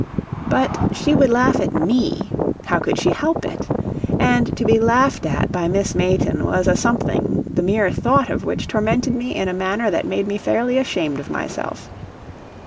But she would laugh at ME how could she help it? and to be laughed at by Miss Mayton was a something the mere thought of which tormented me in a manner that made me fairly ashamed of myself.